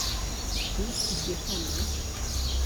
ntusige hano